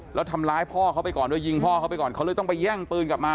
แล้วทำร้ายพ่อเขาไปก่อนด้วยยิงพ่อเขาไปก่อนเขาเลยต้องไปแย่งปืนกลับมา